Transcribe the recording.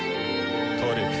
トーループ。